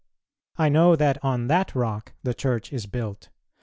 I know that on that rock the Church is built.